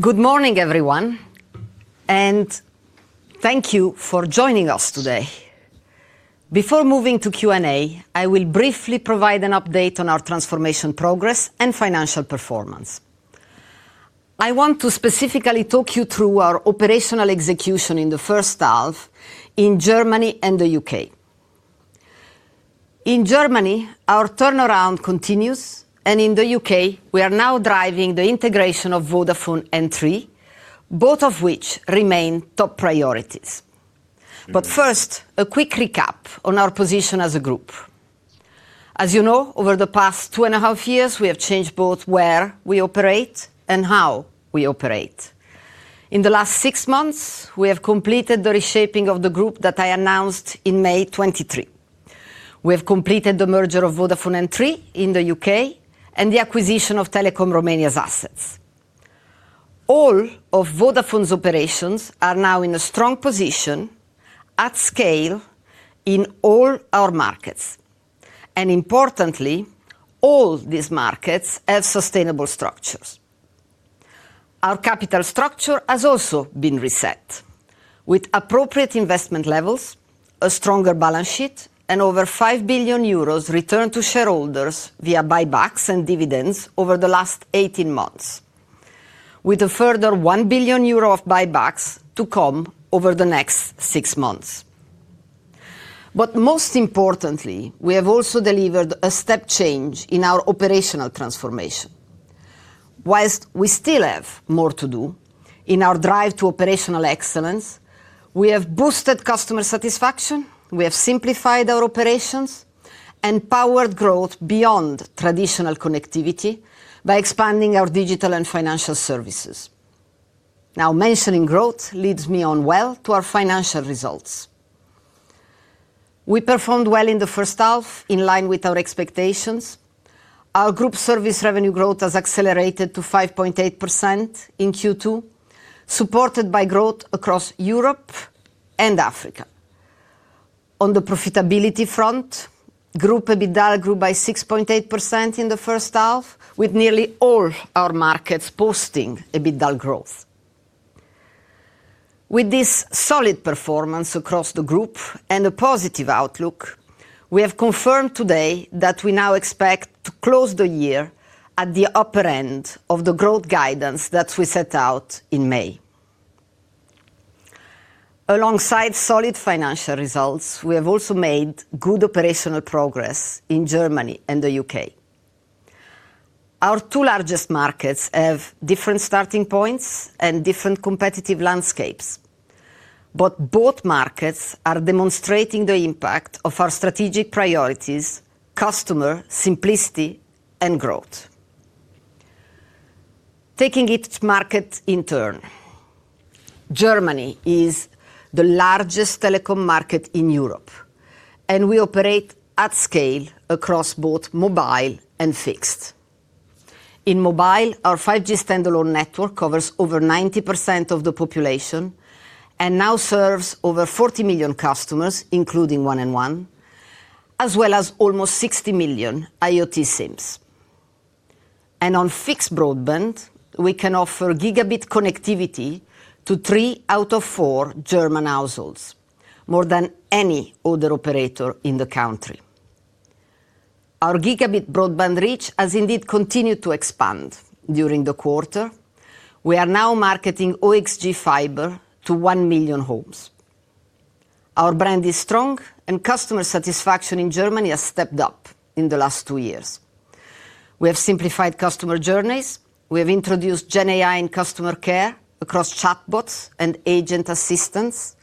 Good morning, everyone, and thank you for joining us today. Before moving to Q&A, I will briefly provide an update on our transformation progress and financial performance. I want to specifically talk you through our operational execution in the first half in Germany and the U.K. In Germany, our turnaround continues, and in the U.K., we are now driving the integration of Vodafone and Three, both of which remain top priorities. First, a quick recap on our position as a group. As you know, over the past two and a half years, we have changed both where we operate and how we operate. In the last six months, we have completed the reshaping of the group that I announced in May 2023. We have completed the merger of Vodafone and Three in the U.K. and the acquisition of Telekom Romania's assets. All of Vodafone's operations are now in a strong position at scale in all our markets. Importantly, all these markets have sustainable structures. Our capital structure has also been reset, with appropriate investment levels, a stronger balance sheet, and over 5 billion euros returned to shareholders via buybacks and dividends over the last 18 months, with a further 1 billion euro of buybacks to come over the next six months. Most importantly, we have also delivered a step change in our operational transformation. Whilst we still have more to do in our drive to operational excellence, we have boosted customer satisfaction, we have simplified our operations, and powered growth beyond traditional connectivity by expanding our digital and financial services. Now, mentioning growth leads me on well to our financial results. We performed well in the first half, in line with our expectations. Our group service revenue growth has accelerated to 5.8% in Q2, supported by growth across Europe and Africa. On the profitability front, the group EBITDA grew by 6.8% in the first half, with nearly all our markets posting EBITDA growth. With this solid performance across the group and a positive outlook, we have confirmed today that we now expect to close the year at the upper end of the growth guidance that we set out in May. Alongside solid financial results, we have also made good operational progress in Germany and the U.K. Our two largest markets have different starting points and different competitive landscapes, but both markets are demonstrating the impact of our strategic priorities: customer simplicity and growth. Taking it to market in turn, Germany is the largest telecom market in Europe, and we operate at scale across both mobile and fixed. In mobile, our 5G standalone network covers over 90% of the population and now serves over 40 million customers, including eins und eins, as well as almost 60 million IoT SIMs. On fixed broadband, we can offer gigabit connectivity to three out of four German households, more than any other operator in the country. Our gigabit broadband reach has indeed continued to expand during the quarter. We are now marketing OXG fiber to 1 million homes. Our brand is strong, and customer satisfaction in Germany has stepped up in the last two years. We have simplified customer journeys. We have introduced GenAI in customer care across chatbots and agent assistance,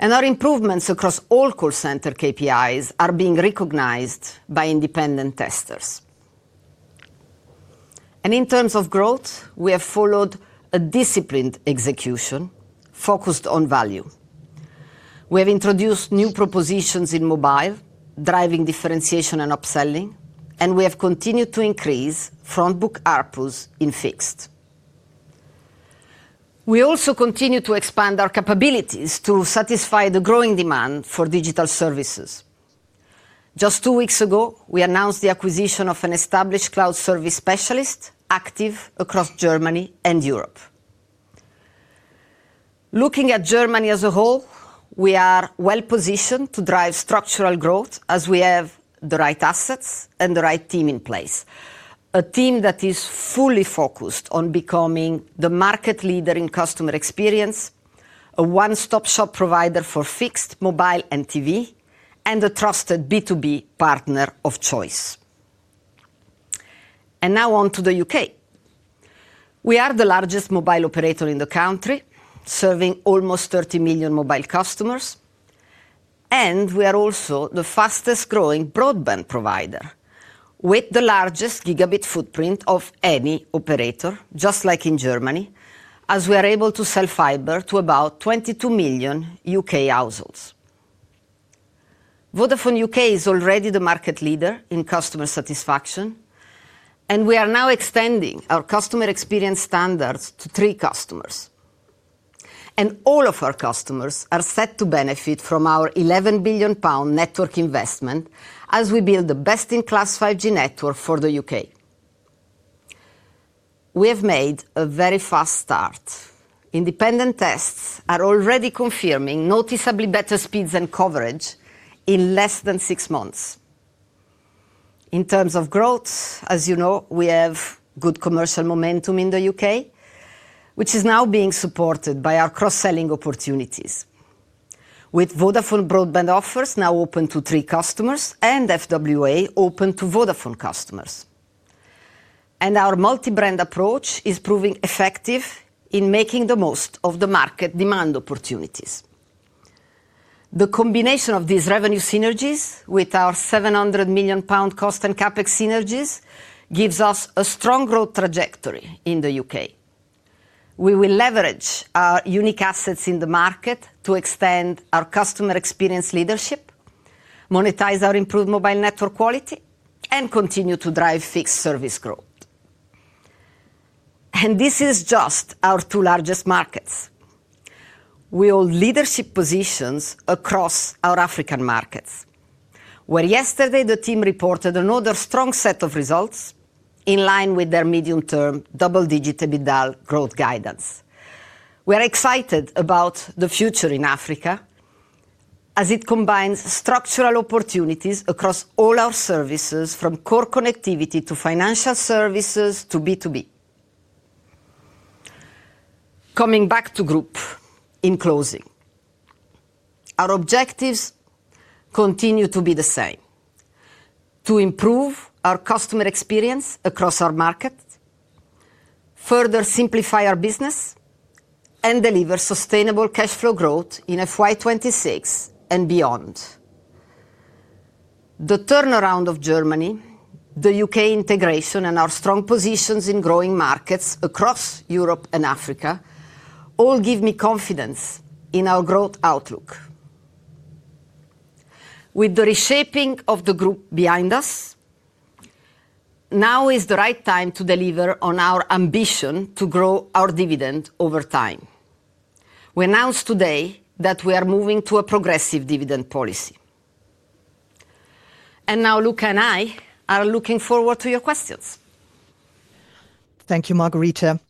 and our improvements across all call center KPIs are being recognized by independent testers. In terms of growth, we have followed a disciplined execution focused on value. We have introduced new propositions in mobile, driving differentiation and upselling, and we have continued to increase front-book ARPUs in fixed. We also continue to expand our capabilities to satisfy the growing demand for digital services. Just two weeks ago, we announced the acquisition of an established cloud service specialist active across Germany and Europe. Looking at Germany as a whole, we are well positioned to drive structural growth as we have the right assets and the right team in place. A team that is fully focused on becoming the market leader in customer experience, a one-stop shop provider for fixed, mobile, and TV, and a trusted B2B partner of choice. Now on to the U.K. We are the largest mobile operator in the country, serving almost 30 million mobile customers, and we are also the fastest-growing broadband provider, with the largest gigabit footprint of any operator, just like in Germany, as we are able to sell fiber to about 22 million U.K. households. Vodafone U.K. is already the market leader in customer satisfaction, and we are now extending our customer experience standards to Three customers. All of our customers are set to benefit from our 11 billion pound network investment as we build the best-in-class 5G network for the U.K. We have made a very fast start. Independent tests are already confirming noticeably better speeds and coverage in less than six months. In terms of growth, as you know, we have good commercial momentum in the U.K., which is now being supported by our cross-selling opportunities, with Vodafone broadband offers now open to Three customers and FWA open to Vodafone customers. Our multi-brand approach is proving effective in making the most of the market demand opportunities. The combination of these revenue synergies with our 700 million pound cost and CapEx synergies gives us a strong growth trajectory in the U.K. We will leverage our unique assets in the market to extend our customer experience leadership, monetize our improved mobile network quality, and continue to drive fixed service growth. This is just our two largest markets. We hold leadership positions across our African markets, where yesterday the team reported another strong set of results in line with their medium-term double-digit EBITDA growth guidance. We are excited about the future in Africa as it combines structural opportunities across all our services, from core connectivity to financial services to B2B. Coming back to the group in closing, our objectives continue to be the same: to improve our customer experience across our market, further simplify our business, and deliver sustainable cash flow growth in fiscal year 2026 and beyond. The turnaround of Germany, the U.K. integration, and our strong positions in growing markets across Europe and Africa all give me confidence in our growth outlook. With the reshaping of the group behind us, now is the right time to deliver on our ambition to grow our dividend over time. We announced today that we are moving to a progressive dividend policy. Luka and I are looking forward to your questions. Thank you, Margherita.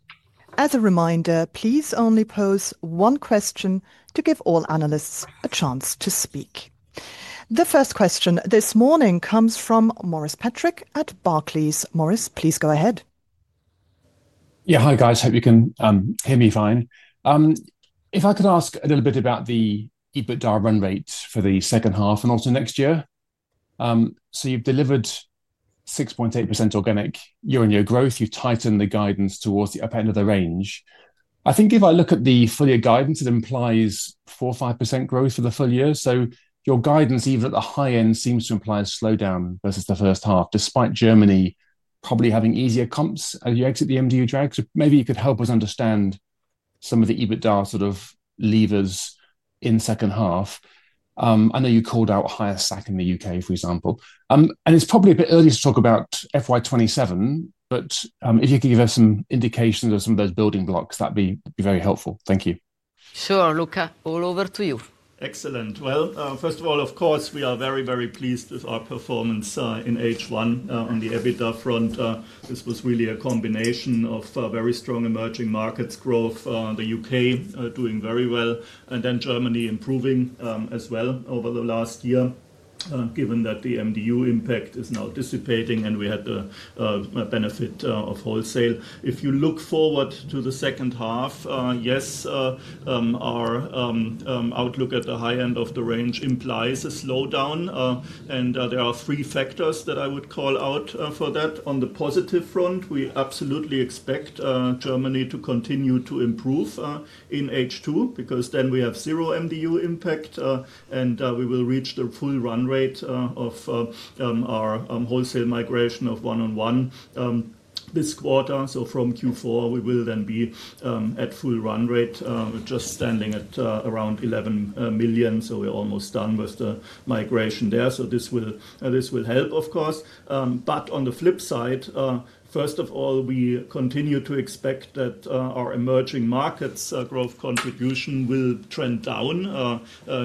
As a reminder, please only pose one question to give all analysts a chance to speak. The first question this morning comes from Morris Patrick at Barclays. Morris, please go ahead. Yeah, hi, guys. Hope you can hear me fine. If I could ask a little bit about the EBITDA run rate for the second half and also next year. So you've delivered 6.8% organic year-on-year growth. You've tightened the guidance towards the upper end of the range. I think if I look at the full-year guidance, it implies 4%-5% growth for the full year. Your guidance, even at the high end, seems to imply a slowdown versus the first half, despite Germany probably having easier comps as you exit the MDU drag. Maybe you could help us understand some of the EBITDA sort of levers in the second half. I know you called out a higher SAC in the U.K., for example. It is probably a bit early to talk about FY 2027, but if you could give us some indications of some of those building blocks, that would be very helpful. Thank you. Sure, Luka, all over to you. Excellent. First of all, of course, we are very, very pleased with our performance in H1 on the EBITDA front. This was really a combination of very strong emerging markets growth, the U.K. doing very well, and then Germany improving as well over the last year, given that the MDU impact is now dissipating and we had the benefit of wholesale. If you look forward to the second half, yes, our outlook at the high end of the range implies a slowdown. There are three factors that I would call out for that. On the positive front, we absolutely expect Germany to continue to improve in H2 because then we have zero MDU impact, and we will reach the full run rate of our wholesale migration of eins und eins this quarter. From Q4, we will then be at full run rate, just standing at around 11 million. We're almost done with the migration there. This will help, of course. On the flip side, first of all, we continue to expect that our emerging markets' growth contribution will trend down,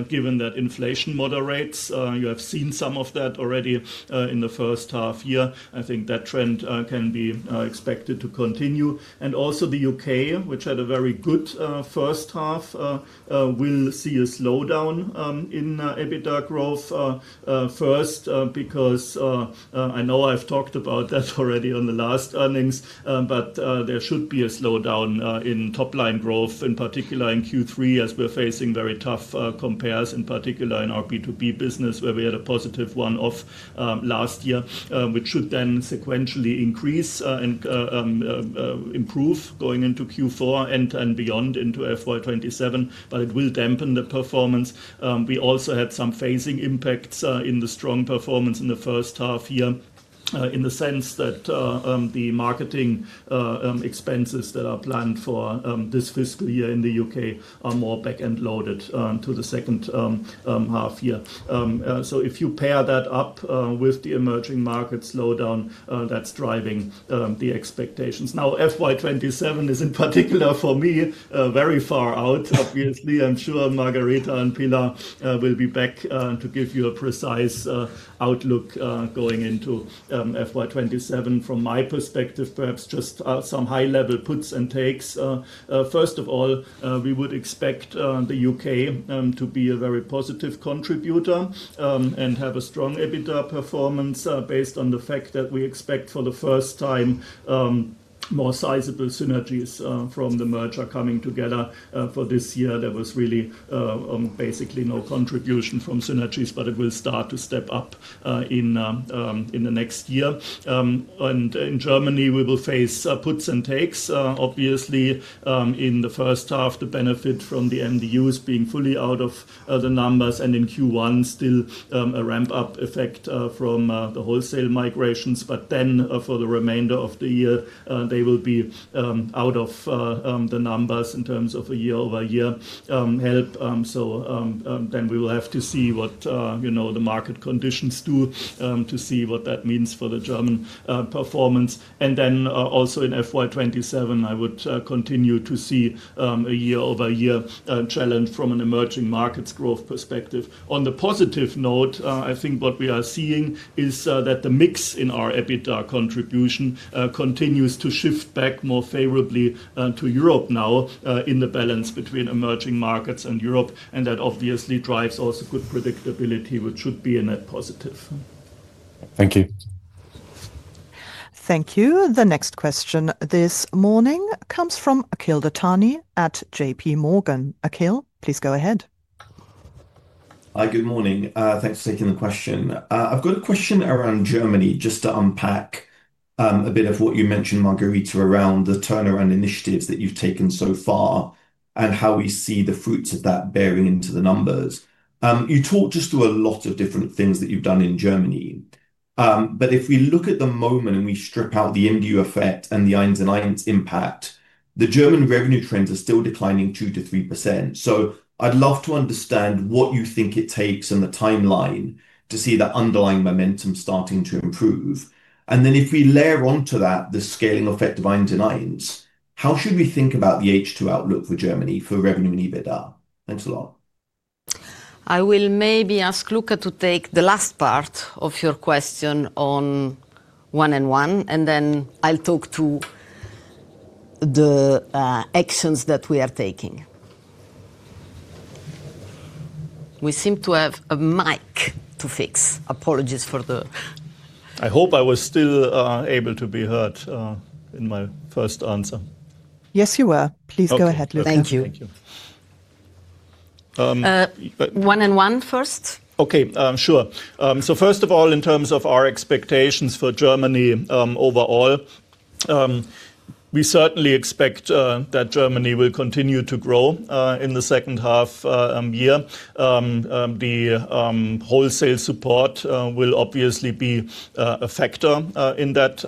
given that inflation moderates. You have seen some of that already in the first half year. I think that trend can be expected to continue. Also, the U.K., which had a very good first half, will see a slowdown in EBITDA growth first because I know I've talked about that already on the last earnings, but there should be a slowdown in top-line growth, in particular in Q3, as we're facing very tough compares, in particular in our B2B business, where we had a positive one-off last year, which should then sequentially increase and improve going into Q4 and beyond into FY 2027, but it will dampen the performance. We also had some phasing impacts in the strong performance in the first half year in the sense that the marketing expenses that are planned for this fiscal year in the U.K. are more back-end loaded to the second half year. If you pair that up with the emerging markets' slowdown, that is driving the expectations. Now, FY 2027 is, in particular for me, very far out, obviously. I am sure Margherita and Pilar will be back to give you a precise outlook going into FY 2027. From my perspective, perhaps just some high-level puts and takes. First of all, we would expect the U.K. to be a very positive contributor and have a strong EBITDA performance based on the fact that we expect for the first time more sizable synergies from the merger coming together for this year. There was really basically no contribution from synergies, but it will start to step up in the next year. In Germany, we will face puts and takes. Obviously, in the first half, the benefit from the MDU is being fully out of the numbers, and in Q1, still a ramp-up effect from the wholesale migrations. For the remainder of the year, they will be out of the numbers in terms of a year-over-year help. We will have to see what the market conditions do to see what that means for the German performance. Also, in FY 2027, I would continue to see a year-over-year challenge from an emerging markets' growth perspective. On the positive note, I think what we are seeing is that the mix in our EBITDA contribution continues to shift back more favorably to Europe now in the balance between emerging markets and Europe, and that obviously drives also good predictability, which should be a net positive. Thank you. Thank you. The next question this morning comes from Akhil Dattani at J.P. Morgan. Akhil, please go ahead. Hi, good morning. Thanks for taking the question. I've got a question around Germany, just to unpack a bit of what you mentioned, Margherita, around the turnaround initiatives that you've taken so far and how we see the fruits of that bearing into the numbers. You talked just through a lot of different things that you've done in Germany. If we look at the moment and we strip out the MDU effect and the eins und eins impact, the German revenue trends are still declining 2%-3%. I'd love to understand what you think it takes and the timeline to see that underlying momentum starting to improve. If we layer onto that the scaling effect of eins und eins, how should we think about the H2 outlook for Germany for revenue and EBITDA? Thanks a lot. I will maybe ask Lkca to take the last part of your question on eins und eins, and then I'll talk to the actions that we are taking. We seem to have a mic to fix. Apologies for the. I hope I was still able to be heard in my first answer. Yes, you were. Please go ahead. Thank you. Thank you. 1&1 first? Okay, sure. First of all, in terms of our expectations for Germany overall, we certainly expect that Germany will continue to grow in the second half year. The wholesale support will obviously be a factor in that.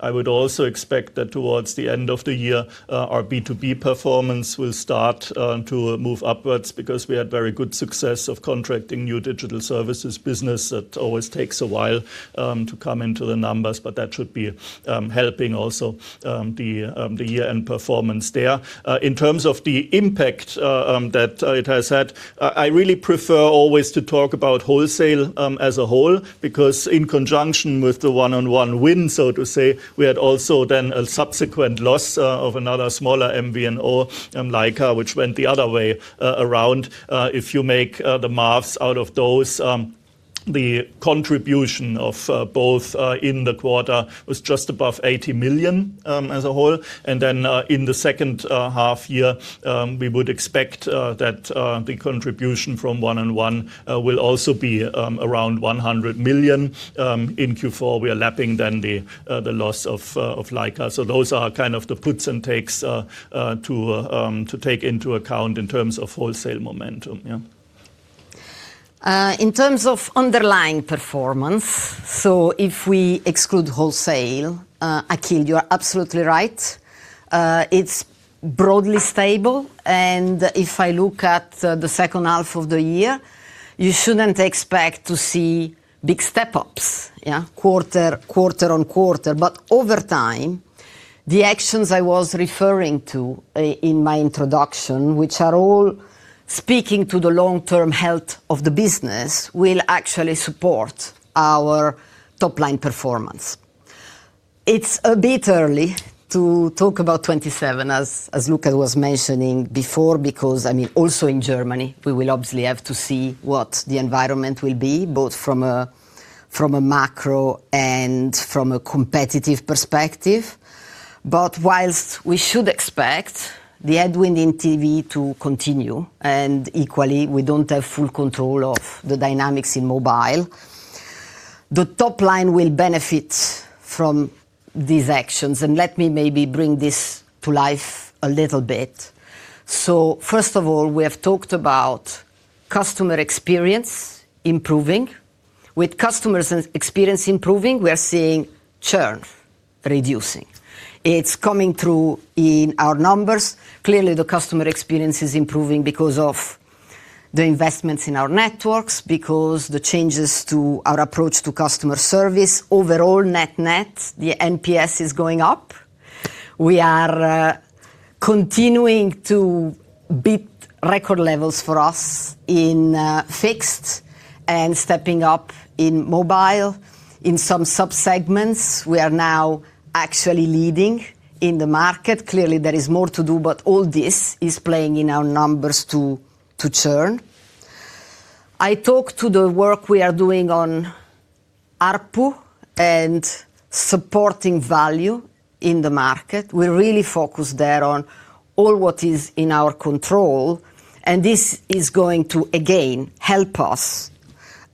I would also expect that towards the end of the year, our B2B performance will start to move upwards because we had very good success of contracting new digital services business. That always takes a while to come into the numbers, but that should be helping also the year-end performance there. In terms of the impact that it has had, I really prefer always to talk about wholesale as a whole because in conjunction with the 1&1 win, so to say, we had also then a subsequent loss of another smaller MVNO, Lyca, which went the other way around. If you make the maths out of those, the contribution of both in the quarter was just above 80 million as a whole. In the second half year, we would expect that the contribution from eins und eins will also be around 100 million. In Q4, we are lapping then the loss of Lyca. Those are kind of the puts and takes to take into account in terms of wholesale momentum. In terms of underlying performance, so if we exclude wholesale, Akhil, you are absolutely right. It's broadly stable. If I look at the second half of the year, you shouldn't expect to see big step-ups, quarter on quarter. Over time, the actions I was referring to in my introduction, which are all speaking to the long-term health of the business, will actually support our top-line performance. It's a bit early to talk about 2027, as Luka was mentioning before, because I mean, also in Germany, we will obviously have to see what the environment will be, both from a macro and from a competitive perspective. Whilst we should expect the headwind in TV to continue, and equally, we don't have full control of the dynamics in mobile, the top line will benefit from these actions. Let me maybe bring this to life a little bit. First of all, we have talked about customer experience improving. With customer experience improving, we are seeing churn reducing. It's coming through in our numbers. Clearly, the customer experience is improving because of the investments in our networks, because of the changes to our approach to customer service. Overall, net-net, the NPS is going up. We are continuing to beat record levels for us in fixed and stepping up in mobile. In some subsegments, we are now actually leading in the market. Clearly, there is more to do, but all this is playing in our numbers to churn. I talked to the work we are doing on ARPU and supporting value in the market. We really focus there on all what is in our control, and this is going to, again, help us.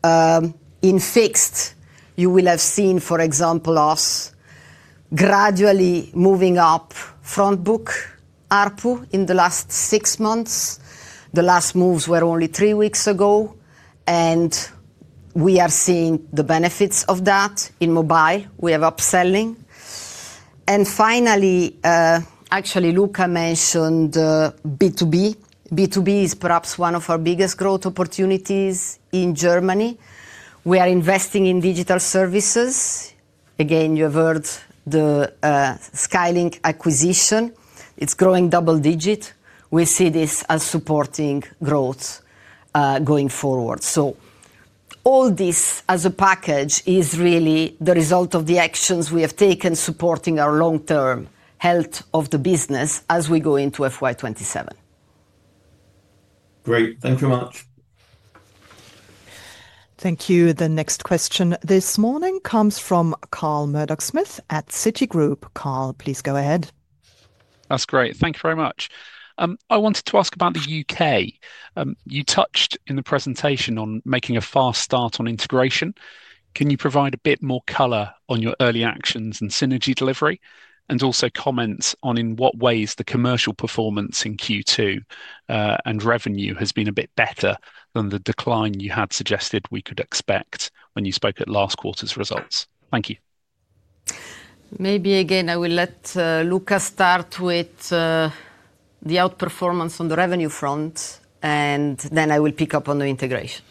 In fixed, you will have seen, for example, us gradually moving up front-book ARPU in the last six months. The last moves were only three weeks ago, and we are seeing the benefits of that. In mobile, we have upselling. Finally, actually, Luka mentioned B2B. B2B is perhaps one of our biggest growth opportunities in Germany. We are investing in digital services. Again, you have heard the Skaylink acquisition. It is growing double-digit. We see this as supporting growth going forward. All this as a package is really the result of the actions we have taken supporting our long-term health of the business as we go into FY 2027. Great. Thank you very much. Thank you. The next question this morning comes from Carl Murdock-Smith at Citigroup. Carl, please go ahead. That's great. Thank you very much. I wanted to ask about the U.K. You touched in the presentation on making a fast start on integration. Can you provide a bit more color on your early actions and synergy delivery, and also comments on in what ways the commercial performance in Q2 and revenue has been a bit better than the decline you had suggested we could expect when you spoke at last quarter's results? Thank you. Maybe again, I will let Luka start with the outperformance on the revenue front, and then I will pick up on the integration.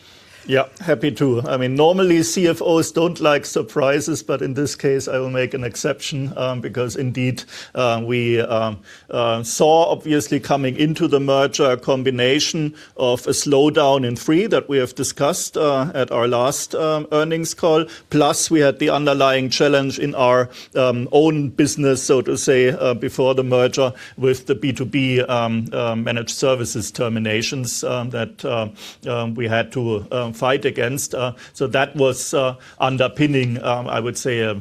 Yeah, happy to. I mean, normally CFOs don't like surprises, but in this case, I will make an exception because indeed we saw obviously coming into the merger a combination of a slowdown in Three that we have discussed at our last earnings call. Plus, we had the underlying challenge in our own business, so to say, before the merger with the B2B managed services terminations that we had to fight against. That was underpinning, I would say, a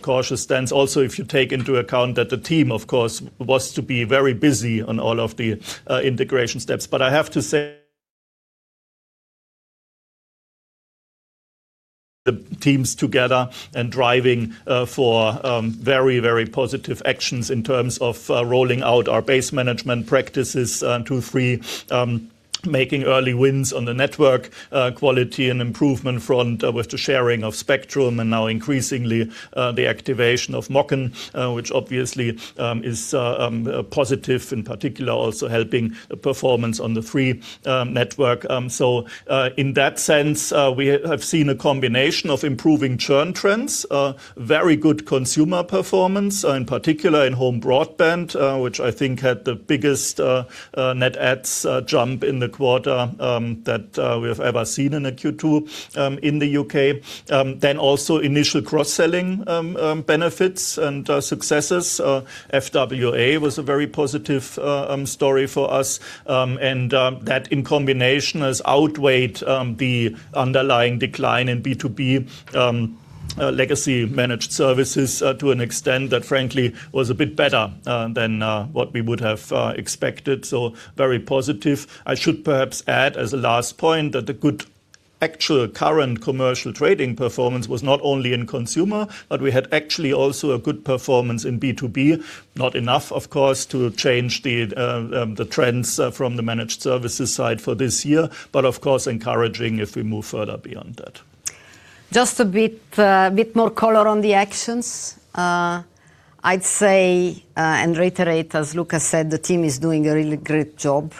cautious stance. Also, if you take into account that the team, of course, was to be very busy on all of the integration steps. I have to say. The teams together and driving for very, very positive actions in terms of rolling out our base management practices to Three, making early wins on the network quality and improvement front with the sharing of spectrum and now increasingly the activation of MOCN, which obviously is positive, in particular also helping the performance on the Three network. In that sense, we have seen a combination of improving churn trends, very good consumer performance, in particular in home broadband, which I think had the biggest net adds jump in the quarter that we have ever seen in a Q2 in the U.K. Also, initial cross-selling benefits and successes. FWA was a very positive story for us, and that in combination has outweighed the underlying decline in B2B legacy managed services to an extent that frankly was a bit better than what we would have expected. Very positive. I should perhaps add as a last point that the good actual current commercial trading performance was not only in consumer, but we had actually also a good performance in B2B. Not enough, of course, to change the trends from the managed services side for this year, but of course encouraging if we move further beyond that. Just a bit more color on the actions. I'd say and reiterate, as Luka said, the team is doing a really great job.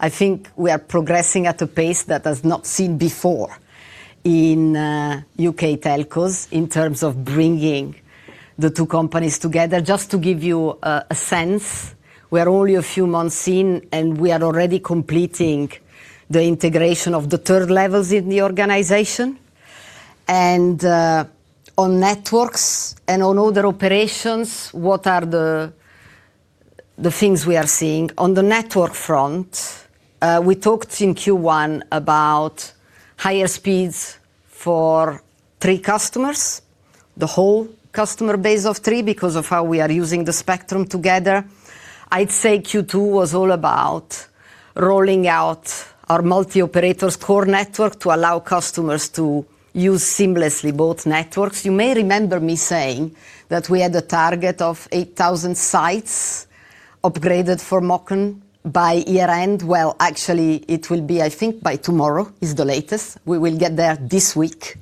I think we are progressing at a pace that has not been seen before in U.K. telcos in terms of bringing the two companies together. Just to give you a sense, we are only a few months in, and we are already completing the integration of the third levels in the organization. On networks and on other operations, what are the things we are seeing? On the network front, we talked in Q1 about higher speeds for Three customers, the whole customer base of Three because of how we are using the spectrum together. I'd say Q2 was all about rolling out our multi-operator core network to allow customers to use seamlessly both networks. You may remember me saying that we had a target of 8,000 sites upgraded for MOCN by year-end. Actually, it will be, I think, by tomorrow is the latest. We will get there this week.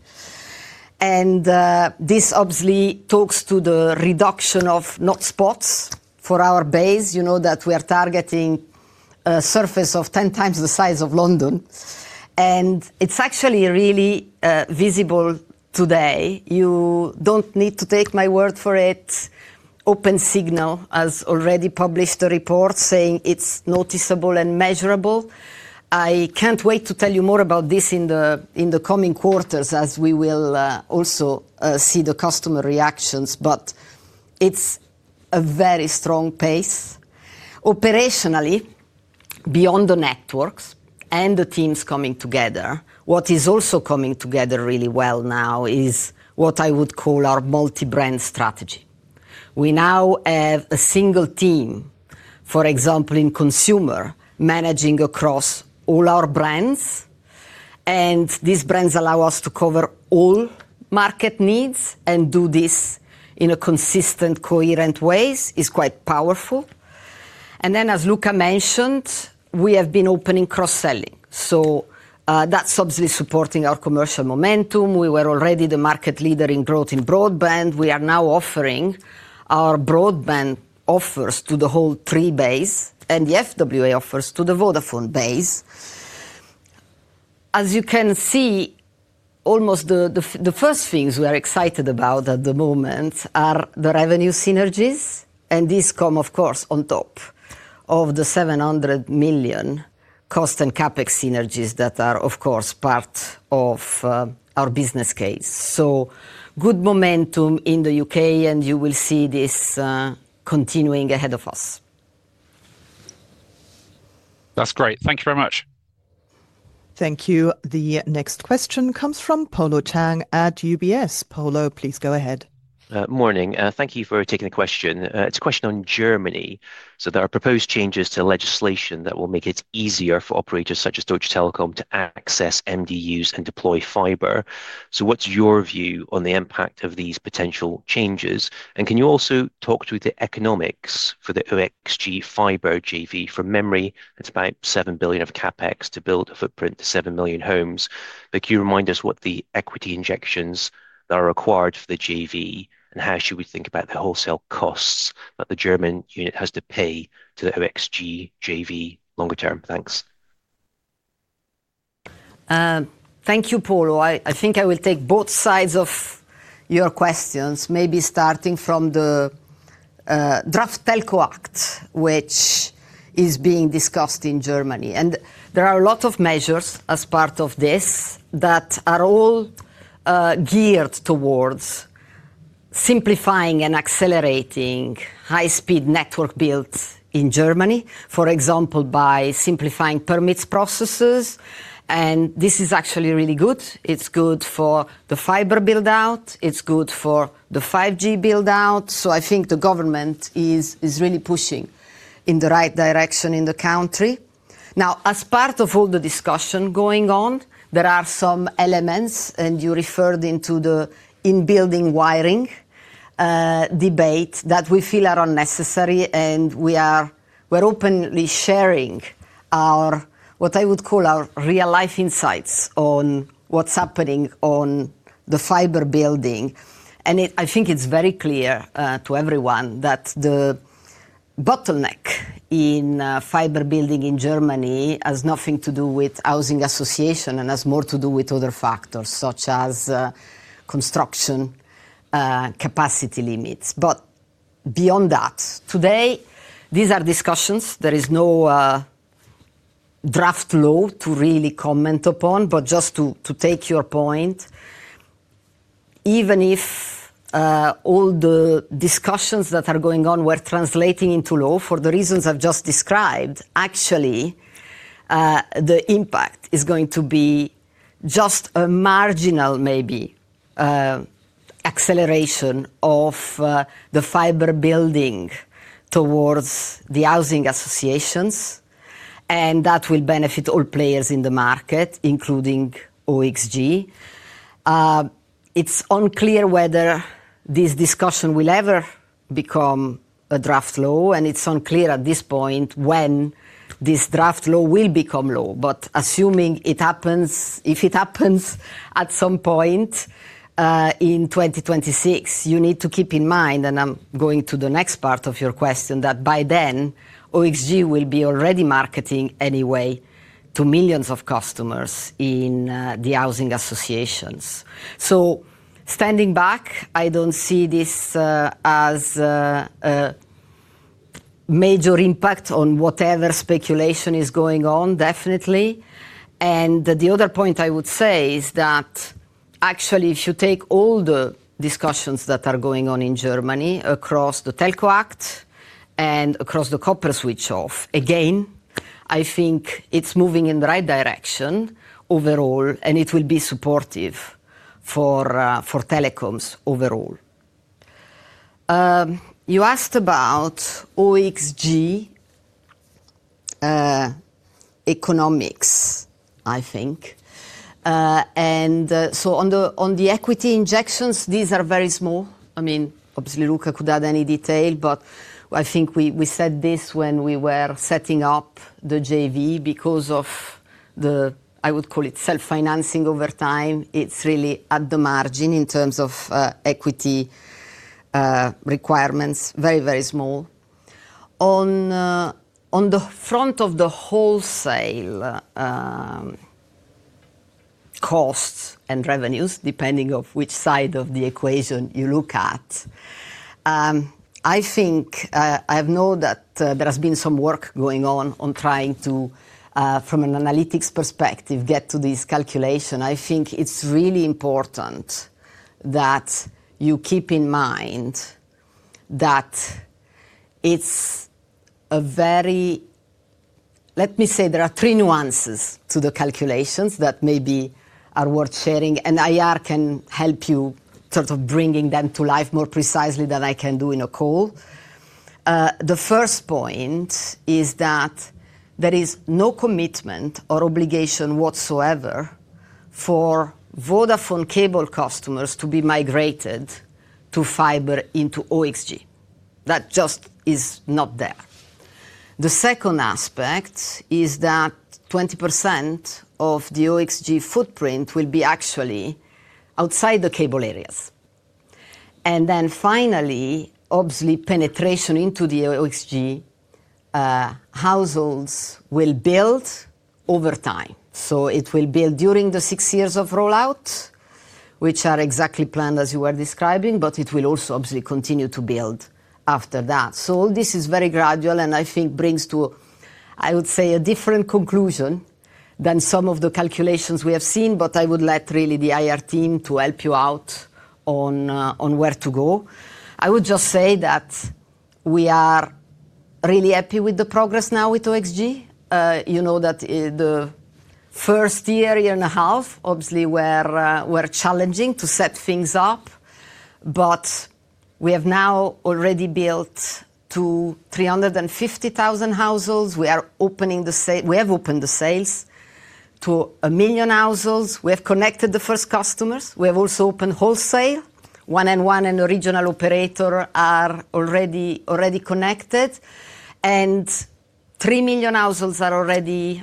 This obviously talks to the reduction of not spots for our base, you know that we are targeting a surface of 10x the size of London. It is actually really visible today. You do not need to take my word for it. Opensignal has already published a report saying it is noticeable and measurable. I cannot wait to tell you more about this in the coming quarters as we will also see the customer reactions, but it is a very strong pace. Operationally, beyond the networks and the teams coming together, what is also coming together really well now is what I would call our multi-brand strategy. We now have a single team, for example, in consumer managing across all our brands. These brands allow us to cover all market needs and do this in a consistent, coherent way, which is quite powerful. As Luka mentioned, we have been opening cross-selling. That is obviously supporting our commercial momentum. We were already the market leader in growth in broadband. We are now offering our broadband offers to the whole Three base and the FWA offers to the Vodafone base. As you can see, almost the first things we are excited about at the moment are the revenue synergies, and these come, of course, on top of the 700 million cost and CapEx synergies that are, of course, part of our business case. Good momentum in the U.K., and you will see this continuing ahead of us. That's great. Thank you very much. Thank you. The next question comes from Polo Tang at UBS. Polo, please go ahead. Morning. Thank you for taking the question. It's a question on Germany. There are proposed changes to legislation that will make it easier for operators such as Deutsche Telekom to access MDUs and deploy fiber. What's your view on the impact of these potential changes? Can you also talk to the economics for the OXG fiber JV? From memory, it's about 7 billion of CapEx to build a footprint to 7 million homes. Can you remind us what the equity injections that are required for the JV are and how should we think about the wholesale costs that the German unit has to pay to the OXG JV longer term? Thanks. Thank you, Polo. I think I will take both sides of your questions, maybe starting from the Draft Telco Act, which is being discussed in Germany. There are a lot of measures as part of this that are all geared towards simplifying and accelerating high-speed network builds in Germany, for example, by simplifying permits processes. This is actually really good. It is good for the fiber build-out. It is good for the 5G build-out. I think the government is really pushing in the right direction in the country. Now, as part of all the discussion going on, there are some elements, and you referred into the in-building wiring debate that we feel are unnecessary, and we are openly sharing what I would call our real-life insights on what is happening on the fiber building. I think it's very clear to everyone that the bottleneck in fiber building in Germany has nothing to do with housing association and has more to do with other factors such as construction capacity limits. Beyond that, today, these are discussions. There is no draft law to really comment upon, but just to take your point, even if all the discussions that are going on were translating into law for the reasons I've just described, actually the impact is going to be just a marginal maybe acceleration of the fiber building towards the housing associations, and that will benefit all players in the market, including OXG. It's unclear whether this discussion will ever become a draft law, and it's unclear at this point when this draft law will become law. Assuming it happens, if it happens at some point in 2026, you need to keep in mind, and I'm going to the next part of your question, that by then OXG will be already marketing anyway to millions of customers in the housing associations. Standing back, I don't see this as a major impact on whatever speculation is going on, definitely. The other point I would say is that actually, if you take all the discussions that are going on in Germany across the Telco Act and across the copper switch-off, again, I think it's moving in the right direction overall, and it will be supportive for telecoms overall. You asked about OXG economics, I think. On the equity injections, these are very small. I mean, obviously, Luka could add any detail, but I think we said this when we were setting up the JV because of the, I would call it self-financing over time. It is really at the margin in terms of equity requirements, very, very small. On the front of the wholesale costs and revenues, depending on which side of the equation you look at, I think I have known that there has been some work going on on trying to, from an analytics perspective, get to these calculations. I think it is really important that you keep in mind that it is a very, let me say there are three nuances to the calculations that maybe are worth sharing, and IR can help you sort of bringing them to life more precisely than I can do in a call. The first point is that there is no commitment or obligation whatsoever for Vodafone cable customers to be migrated to fiber into OXG. That just is not there. The second aspect is that 20% of the OXG footprint will be actually outside the cable areas. Then finally, obviously, penetration into the OXG households will build over time. It will build during the six years of rollout, which are exactly planned as you were describing, but it will also obviously continue to build after that. All this is very gradual, and I think brings to, I would say, a different conclusion than some of the calculations we have seen, but I would let really the IR team help you out on where to go. I would just say that we are really happy with the progress now with OXG. You know that the first year, year and a half, obviously were challenging to set things up, but we have now already built to 350,000 households. We are opening the sales. We have opened the sales to 1 million households. We have connected the first customers. We have also opened wholesale. 1&1 and original operator are already connected, and 3 million households are already,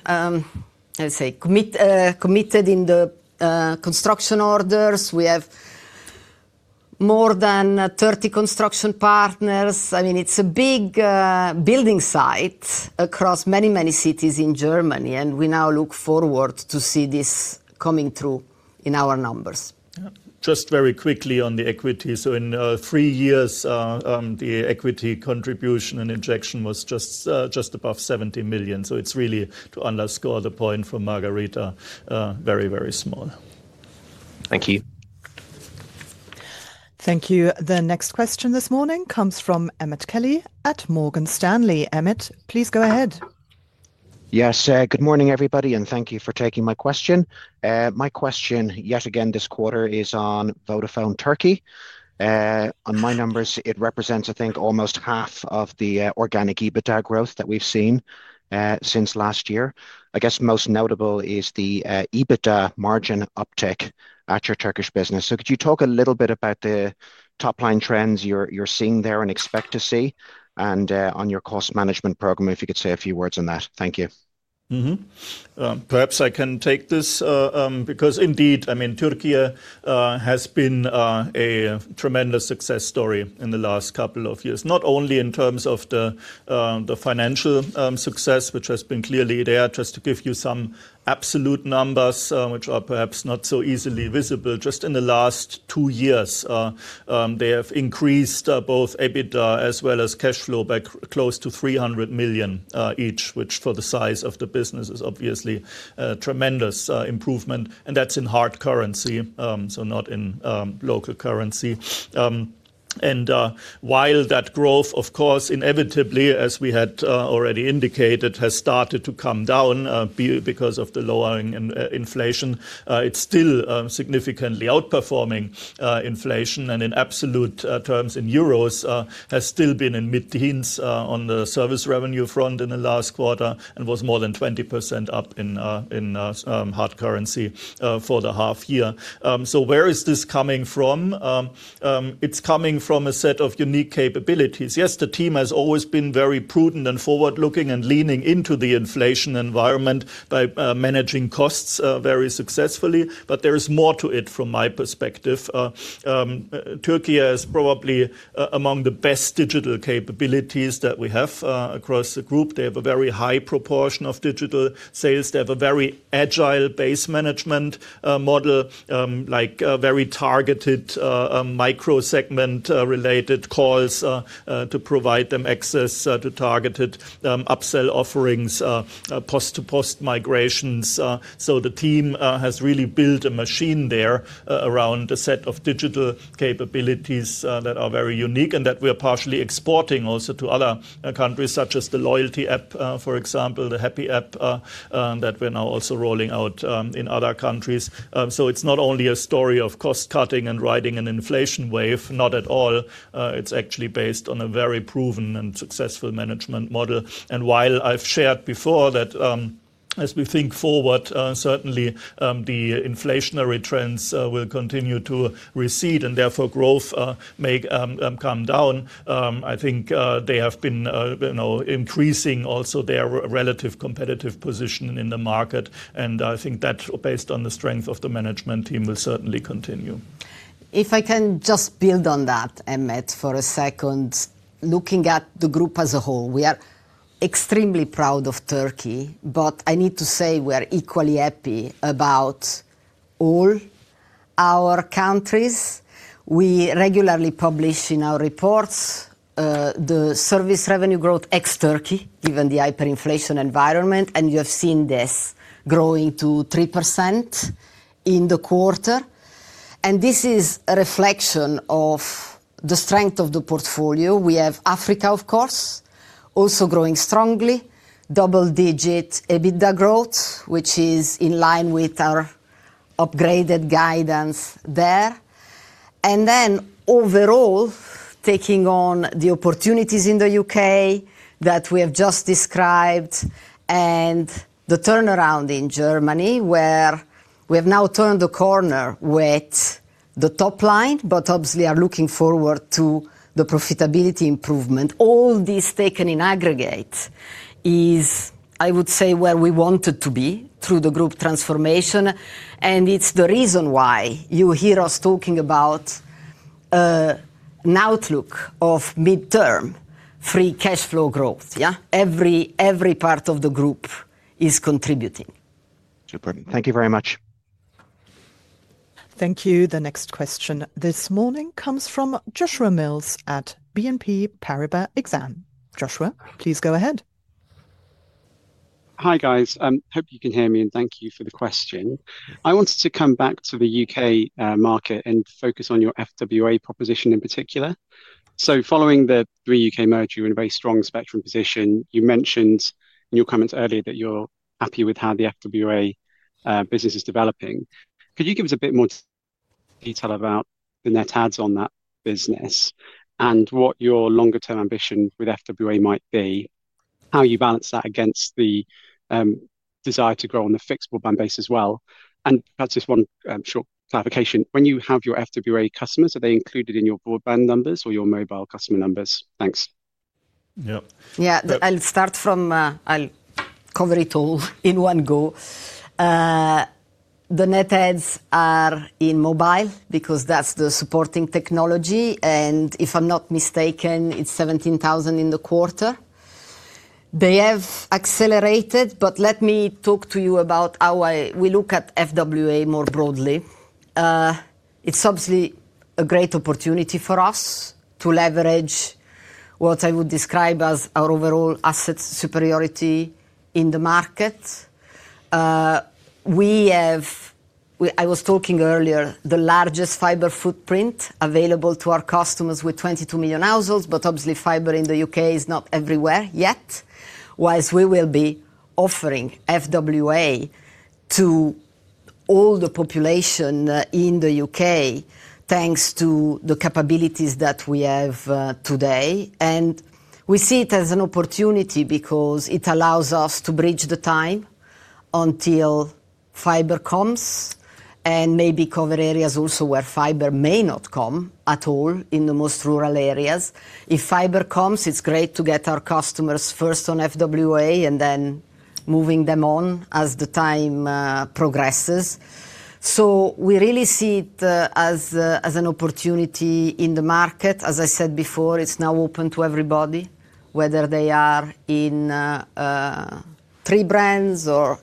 let's say, committed in the construction orders. We have more than 30 construction partners. I mean, it's a big building site across many, many cities in Germany, and we now look forward to see this coming through in our numbers. Just very quickly on the equity. In three years, the equity contribution and injection was just above 70 million. It is really, to underscore the point from Margherita, very, very small. Thank you. Thank you. The next question this morning comes from Emmet Kelly at Morgan Stanley. Emmet, please go ahead. Yes, good morning everybody, and thank you for taking my question. My question yet again this quarter is on Vodafone Türkiye. On my numbers, it represents, I think, almost half of the organic EBITDA growth that we've seen since last year. I guess most notable is the EBITDA margin uptick at your Turkish business. Could you talk a little bit about the top line trends you're seeing there and expect to see on your cost management program, if you could say a few words on that? Thank you. Perhaps I can take this because indeed, I mean, Türkiye has been a tremendous success story in the last couple of years, not only in terms of the financial success, which has been clearly there. Just to give you some absolute numbers, which are perhaps not so easily visible, just in the last two years, they have increased both EBITDA as well as cash flow by close to 300 million each, which for the size of the business is obviously a tremendous improvement. That is in hard currency, so not in local currency. While that growth, of course, inevitably, as we had already indicated, has started to come down because of the lowering in inflation, it is still significantly outperforming inflation. In absolute terms in EUR, it has still been in mid-teens on the service revenue front in the last quarter and was more than 20% up in hard currency for the half year. Where is this coming from? It is coming from a set of unique capabilities. Yes, the team has always been very prudent and forward-looking and leaning into the inflation environment by managing costs very successfully, but there is more to it from my perspective. Türkiye is probably among the best digital capabilities that we have across the group. They have a very high proportion of digital sales. They have a very agile base management model, like very targeted micro-segment related calls to provide them access to targeted upsell offerings, post-to-post migrations. The team has really built a machine there around a set of digital capabilities that are very unique and that we are partially exporting also to other countries, such as the loyalty app, for example, the Happy app that we are now also rolling out in other countries. It is not only a story of cost cutting and riding an inflation wave, not at all. It is actually based on a very proven and successful management model. While I have shared before that as we think forward, certainly the inflationary trends will continue to recede and therefore growth may come down, I think they have been increasing also their relative competitive position in the market. I think that based on the strength of the management team will certainly continue. If I can just build on that, Emmet, for a second, looking at the group as a whole, we are extremely proud of Türkiye, but I need to say we are equally happy about all our countries. We regularly publish in our reports the service revenue growth ex Türkiye, given the hyperinflation environment, and you have seen this growing to 3% in the quarter. This is a reflection of the strength of the portfolio. We have Africa, of course, also growing strongly, double-digit EBITDA growth, which is in line with our upgraded guidance there. Overall, taking on the opportunities in the U.K. that we have just described and the turnaround in Germany, where we have now turned the corner with the top line, we are obviously looking forward to the profitability improvement. All this taken in aggregate is, I would say, where we wanted to be through the group transformation. It is the reason why you hear us talking about an outlook of mid-term free cash flow growth. Yeah, every part of the group is contributing. Super. Thank you very much. Thank you. The next question this morning comes from Joshua Mills at BNP Paribas. Joshua, please go ahead. Hi guys. Hope you can hear me and thank you for the question. I wanted to come back to the U.K. market and focus on your FWA proposition in particular. Following the Three U.K. merger, you're in a very strong spectrum position. You mentioned in your comments earlier that you're happy with how the FWA business is developing. Could you give us a bit more detail about the net adds on that business and what your longer-term ambition with FWA might be, how you balance that against the desire to grow on the fixed broadband base as well? Perhaps just one short clarification. When you have your FWA customers, are they included in your broadband numbers or your mobile customer numbers? Thanks. Yeah, I'll start from, I'll cover it all in one go. The net adds are in mobile because that's the supporting technology. And if I'm not mistaken, it's 17,000 in the quarter. They have accelerated, but let me talk to you about how we look at FWA more broadly. It's obviously a great opportunity for us to leverage what I would describe as our overall asset superiority in the market. We have, I was talking earlier, the largest fiber footprint available to our customers with 22 million households, but obviously fiber in the U.K. is not everywhere yet, whilst we will be offering FWA to all the population in the U.K. thanks to the capabilities that we have today. We see it as an opportunity because it allows us to bridge the time until fiber comes and maybe cover areas also where fiber may not come at all in the most rural areas. If fiber comes, it's great to get our customers first on FWA and then moving them on as the time progresses. We really see it as an opportunity in the market. As I said before, it's now open to everybody, whether they are in Three brands or,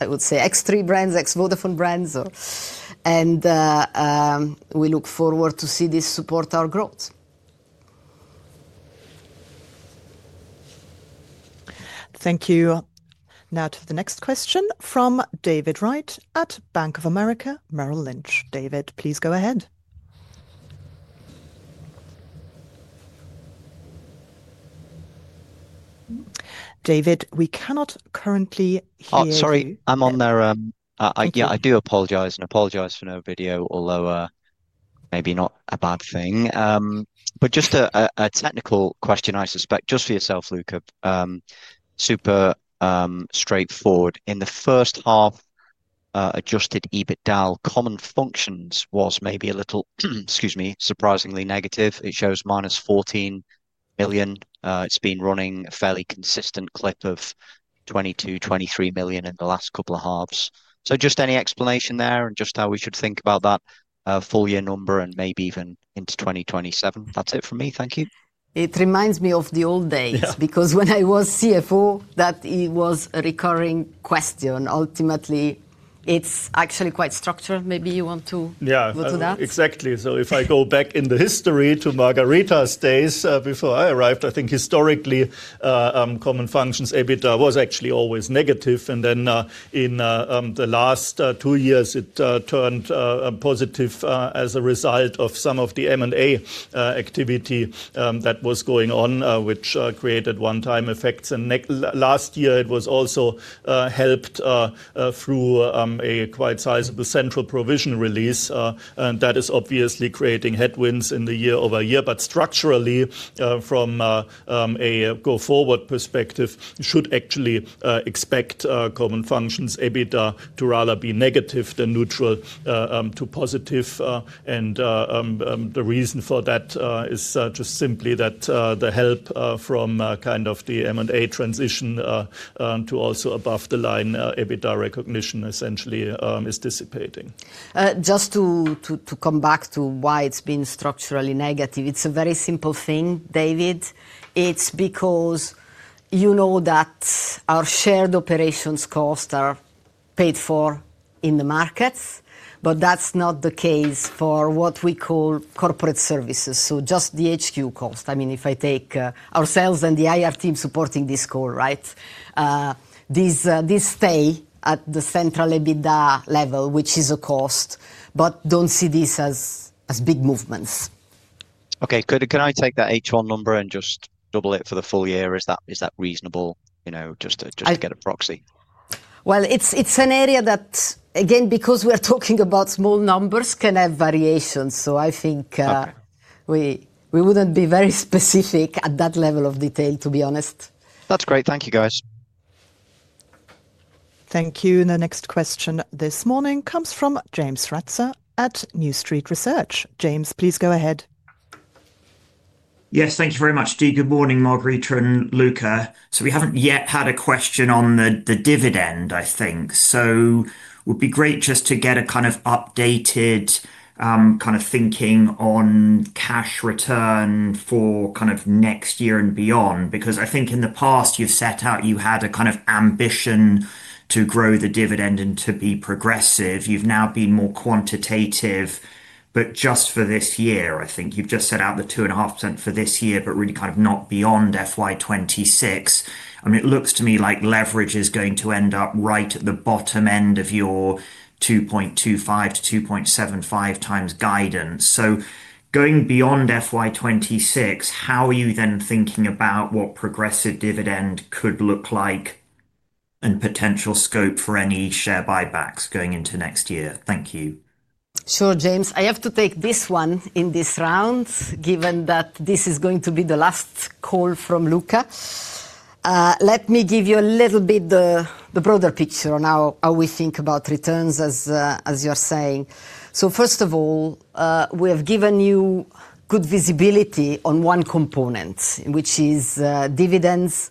I would say, ex-Three brands, ex-Vodafone brands. We look forward to see this support our growth. Thank you. Now to the next question from David Wright at Bank of America Merrill Lynch. David, please go ahead. David, we cannot currently hear.-- Oh, sorry, I'm on there. Yeah, I do apologize and apologize for no video, although maybe not a bad thing. Just a technical question, I suspect, just for yourself, Luka. Super straightforward. In the first half, adjusted EBITDA common functions was maybe a little, excuse me, surprisingly negative. It shows minus 14 million. It has been running a fairly consistent clip of 22 million-23 million in the last couple of halves. Just any explanation there and just how we should think about that full year number and maybe even into 2027. That is it from me. Thank you. It reminds me of the old days because when I was CFO, that was a recurring question. Ultimately, it's actually quite structured. Maybe you want to go to that. Yeah, exactly. If I go back in the history to Margherita's days before I arrived, I think historically common functions EBITDA was actually always negative. In the last two years, it turned positive as a result of some of the M&A activity that was going on, which created one-time effects. Last year, it was also helped through a quite sizable central provision release. That is obviously creating headwinds in the year over year. Structurally, from a go forward perspective, you should actually expect common functions EBITDA to rather be negative than neutral to positive. The reason for that is just simply that the help from kind of the M&A transition to also above the line EBITDA recognition essentially is dissipating. Just to come back to why it's been structurally negative, it's a very simple thing, David. It's because you know that our shared operations costs are paid for in the markets, but that's not the case for what we call corporate services. So just the HQ cost. I mean, if I take ourselves and the IR team supporting this call, right? These stay at the central EBITDA level, which is a cost, but don't see these as big movements. Okay. Can I take that H1 number and just double it for the full year? Is that reasonable? Just to get a proxy. It's an area that, again, because we're talking about small numbers, can have variations. I think we wouldn't be very specific at that level of detail, to be honest. That's great. Thank you, guys. Thank you. The next question this morning comes from James Frazer at New Street Research. James, please go ahead. Yes, thank you very much. Good morning, Margherita and Luka. We have not yet had a question on the dividend, I think. It would be great just to get a kind of updated kind of thinking on cash return for next year and beyond, because I think in the past you have set out, you had a kind of ambition to grow the dividend and to be progressive. You have now been more quantitative, but just for this year, I think you have just set out the 2.5% for this year, but really not beyond FY 2026. I mean, it looks to me like leverage is going to end up right at the bottom end of your 2.25x-2.75x guidance. Going beyond FY 2026, how are you then thinking about what progressive dividend could look like and potential scope for any share buybacks going into next year? Thank you. Sure, James. I have to take this one in this round, given that this is going to be the last call from Luka. Let me give you a little bit the broader picture on how we think about returns, as you are saying. First of all, we have given you good visibility on one component, which is dividends.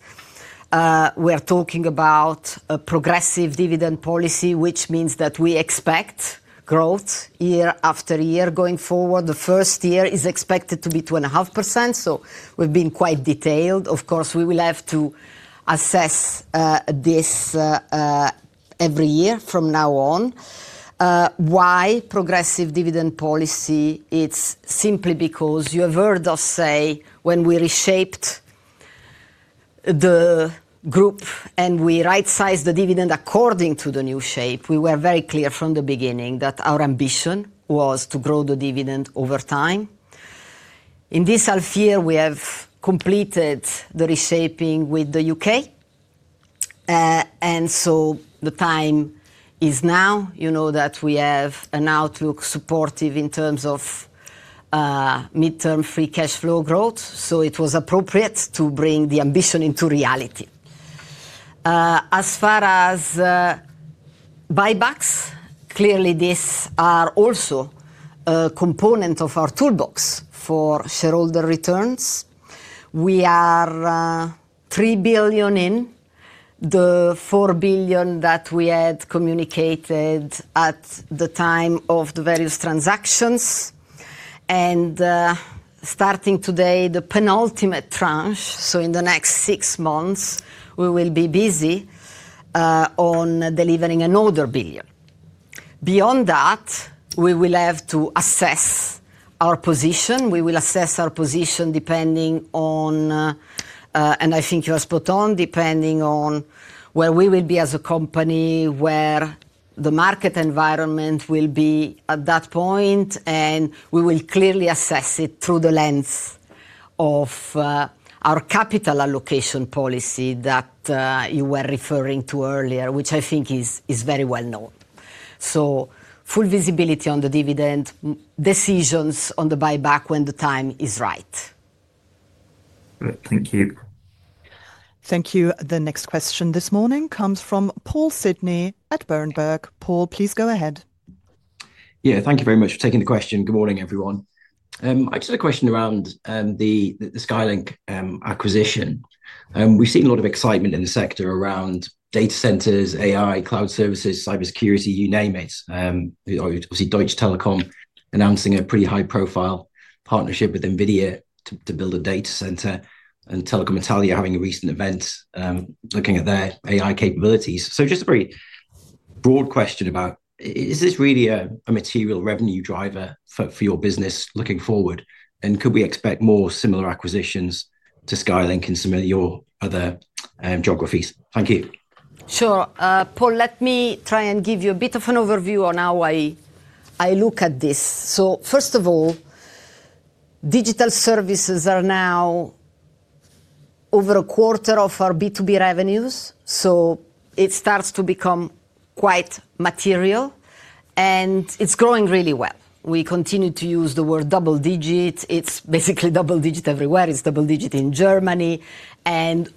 We are talking about a progressive dividend policy, which means that we expect growth year after year going forward. The first year is expected to be 2.5%. We have been quite detailed. Of course, we will have to assess this every year from now on. Why progressive dividend policy? It is simply because you have heard us say when we reshaped the group and we right-sized the dividend according to the new shape, we were very clear from the beginning that our ambition was to grow the dividend over time. In this half year, we have completed the reshaping with the U.K. The time is now, you know, that we have an outlook supportive in terms of mid-term free cash flow growth. It was appropriate to bring the ambition into reality. As far as buybacks, clearly these are also a component of our toolbox for shareholder returns. We are 3 billion in the 4 billion that we had communicated at the time of the various transactions. Starting today, the penultimate tranche, in the next six months, we will be busy on delivering another 1 billion. Beyond that, we will have to assess our position. We will assess our position depending on, and I think you are spot on, depending on where we will be as a company, where the market environment will be at that point. We will clearly assess it through the lens of our capital allocation policy that you were referring to earlier, which I think is very well known. Full visibility on the dividend decisions on the buyback when the time is right. Thank you. Thank you. The next question this morning comes from Paul Sidney at Berenberg. Paul, please go ahead. Yeah, thank you very much for taking the question. Good morning, everyone. Actually, the question around the Skaylink acquisition, we've seen a lot of excitement in the sector around data centers, AI, cloud services, cybersecurity, you name it. Obviously, Deutsche Telekom announcing a pretty high-profile partnership with NVIDIA to build a data center. And Telecom Italia having a recent event looking at their AI capabilities. Just a very broad question about, is this really a material revenue driver for your business looking forward? Could we expect more similar acquisitions to Skaylink in some of your other geographies? Thank you. Sure. Paul, let me try and give you a bit of an overview on how I look at this. First of all, digital services are now over a quarter of our B2B revenues. It starts to become quite material. It is growing really well. We continue to use the word double digit. It is basically double digit everywhere. It is double digit in Germany.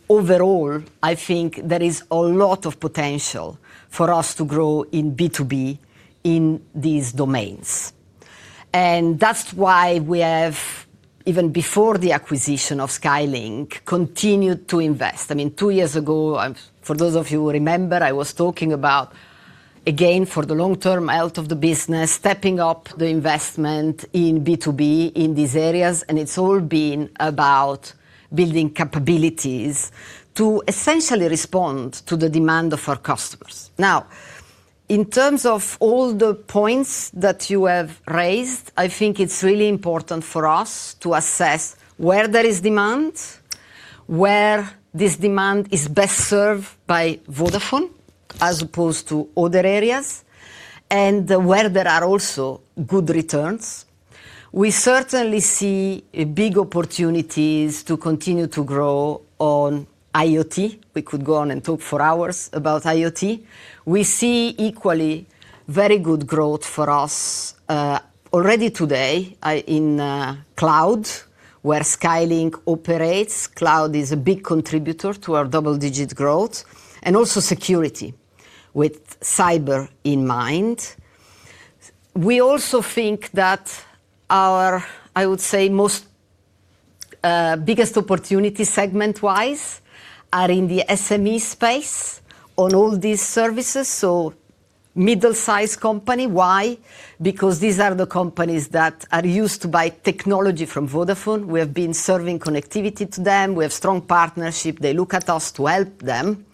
Overall, I think there is a lot of potential for us to grow in B2B in these domains. That is why we have, even before the acquisition of Skaylink, continued to invest. I mean, two years ago, for those of you who remember, I was talking about, again, for the long-term health of the business, stepping up the investment in B2B in these areas. It has all been about building capabilities to essentially respond to the demand of our customers. Now, in terms of all the points that you have raised, I think it's really important for us to assess where there is demand, where this demand is best served by Vodafone as opposed to other areas, and where there are also good returns. We certainly see big opportunities to continue to grow on IoT. We could go on and talk for hours about IoT. We see equally very good growth for us already today in cloud, where Skaylink operates. Cloud is a big contributor to our double-digit growth and also security with cyber in mind. We also think that our, I would say, most biggest opportunity segment-wise are in the SME space on all these services. So middle-sized company, why? Because these are the companies that are used to buy technology from Vodafone. We have been serving connectivity to them. We have strong partnership. They look at us to help them.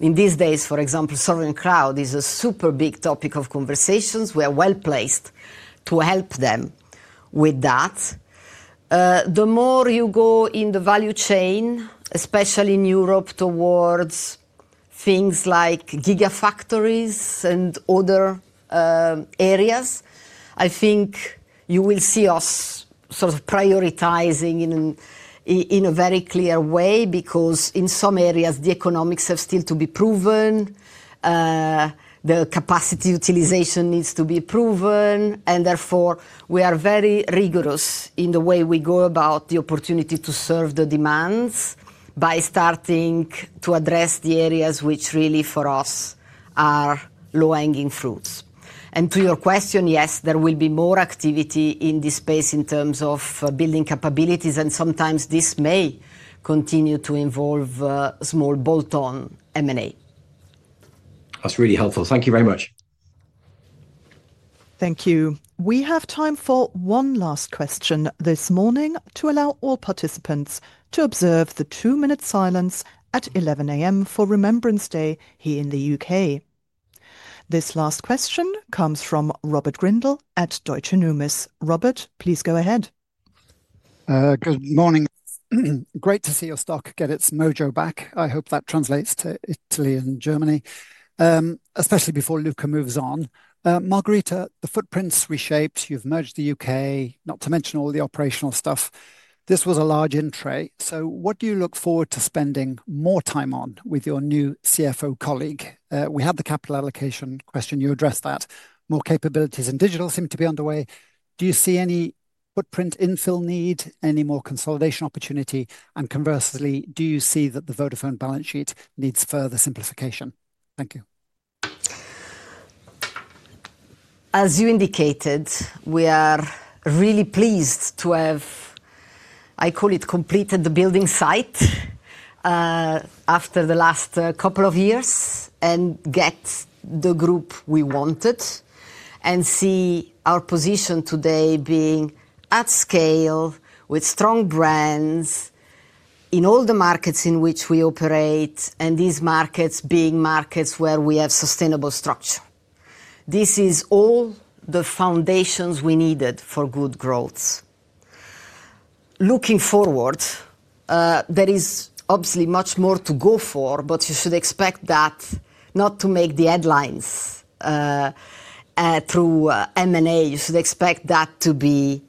In these days, for example, serving cloud is a super big topic of conversations. We are well placed to help them with that. The more you go in the value chain, especially in Europe towards things like gigafactories and other areas, I think you will see us sort of prioritizing in a very clear way because in some areas, the economics have still to be proven. The capacity utilization needs to be proven. Therefore, we are very rigorous in the way we go about the opportunity to serve the demands by starting to address the areas which really for us are low-hanging fruits. To your question, yes, there will be more activity in this space in terms of building capabilities. Sometimes this may continue to involve small bolt-on M&A. That's really helpful. Thank you very much. Thank you. We have time for one last question this morning to allow all participants to observe the two-minute silence at 11:00 A.M. for Remembrance Day here in the U.K. This last question comes from Robert Grindle at Deutsche Numis. Robert, please go ahead. Good morning. Great to see your stock get its mojo back. I hope that translates to Italy and Germany, especially before Luka moves on. Margherita, the footprint's reshaped. You've merged the U.K., not to mention all the operational stuff. This was a large intrade. What do you look forward to spending more time on with your new CFO colleague? We had the capital allocation question. You addressed that. More capabilities in digital seem to be underway. Do you see any footprint infill need, any more consolidation opportunity? Conversely, do you see that the Vodafone balance sheet needs further simplification? Thank you. As you indicated, we are really pleased to have, I call it, completed the building site after the last couple of years and get the group we wanted and see our position today being at scale with strong brands in all the markets in which we operate and these markets being markets where we have sustainable structure. This is all the foundations we needed for good growth. Looking forward, there is obviously much more to go for, but you should expect that not to make the headlines through M&A. You should expect that to be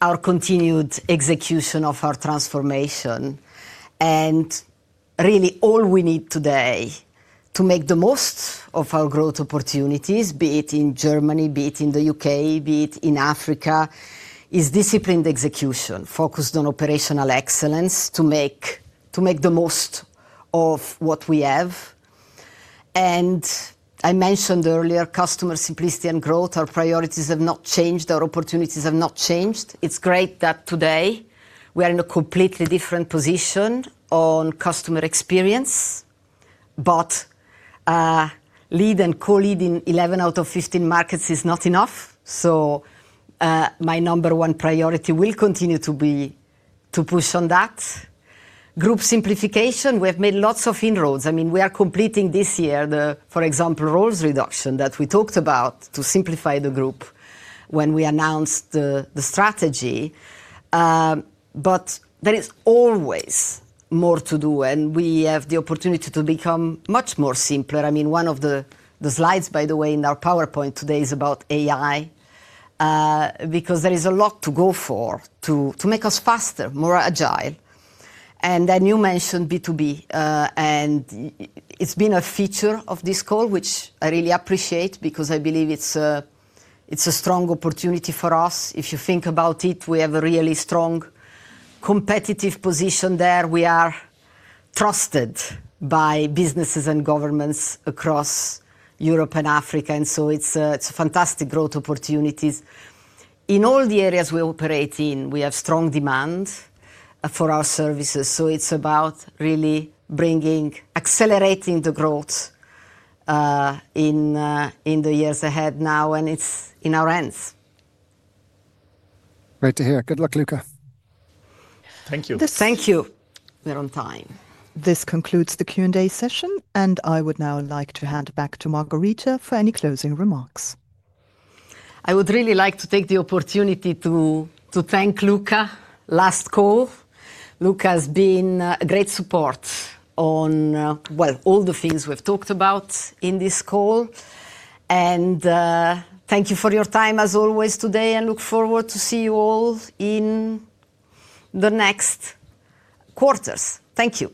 our continued execution of our transformation. Really, all we need today to make the most of our growth opportunities, be it in Germany, be it in the U.K., be it in Africa, is disciplined execution focused on operational excellence to make the most of what we have. I mentioned earlier, customer simplicity and growth, our priorities have not changed. Our opportunities have not changed. It's great that today we are in a completely different position on customer experience, but lead and co-lead in 11 out of 15 markets is not enough. My number one priority will continue to be to push on that. Group simplification, we have made lots of inroads. I mean, we are completing this year, for example, roles reduction that we talked about to simplify the group when we announced the strategy. There is always more to do. We have the opportunity to become much more simpler. I mean, one of the slides, by the way, in our PowerPoint today is about AI because there is a lot to go for to make us faster, more agile. You mentioned B2B. It's been a feature of this call, which I really appreciate because I believe it's a strong opportunity for us. If you think about it, we have a really strong competitive position there. We are trusted by businesses and governments across Europe and Africa. It's a fantastic growth opportunity. In all the areas we operate in, we have strong demand for our services. It's about really bringing, accelerating the growth in the years ahead now. It's in our hands. Great to hear. Good luck, Luka. Thank you. Thank you. We're on time. This concludes the Q&A session. I would now like to hand back to Margherita for any closing remarks. I would really like to take the opportunity to thank Luka. Last call. Luka has been a great support on, well, all the things we've talked about in this call. Thank you for your time, as always, today. I look forward to see you all in the next quarters. Thank you.